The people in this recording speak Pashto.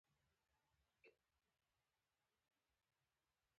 پښتو ژبه د نوي نسل لپاره د زده کړې یوه وسیله ګرځېدلې ده.